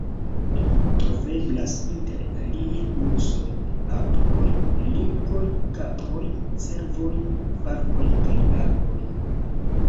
Troveblas inter alie ursoj, aproj, linkoj, kaproj, cervoj, falkoj kaj agloj.